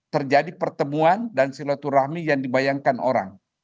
terjadi pertemuan dan silaturahmi yang dibayangkan orang